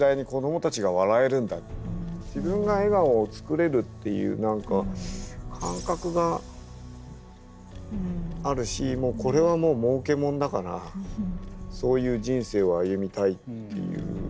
自分が笑顔をつくれるっていう何か感覚があるしこれはもうもうけもんだからそういう人生を歩みたいっていう。